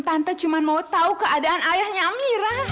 tante cuma mau tahu keadaan ayahnya amira